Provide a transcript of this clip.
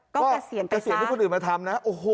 ก็กระเสียญใต้ฟ้าและกะเสียญที่คนอื่นมาทำนะ